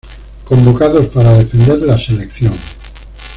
Convocados para defender la selección.